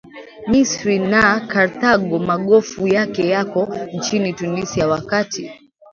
Misri na Karthago magofu yake yako nchini Tunisia wakati